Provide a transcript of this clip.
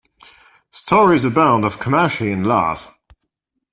Stories abound of Komachi in love.